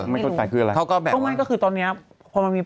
ไม่เข้าใจเลยอันเนี้ยงมสิครับไม่รู้